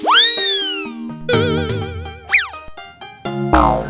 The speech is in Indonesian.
gak ada nyamuk